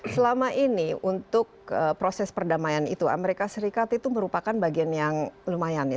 selama ini untuk proses perdamaian itu amerika serikat itu merupakan bagian yang lumayan ya